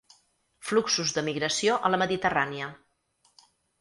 Fluxos de migració a la Mediterrània.